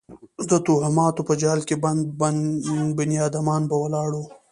د توهماتو په جال کې بند بنیادمان به ولاړ وو.